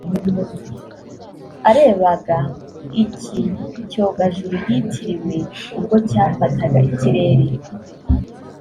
Arebaga iki cyogajuru yitiriwe ubwo cyafataga ikirere